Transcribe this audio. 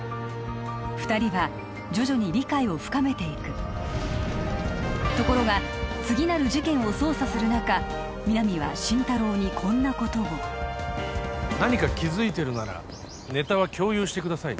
二人は徐々に理解を深めていくところが次なる事件を捜査する中皆実は心太朗にこんなことを何か気づいてるならネタは共有してくださいね